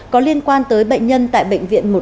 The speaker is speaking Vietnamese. có liên quan tới bệnh nhân tại bệnh viện một trăm linh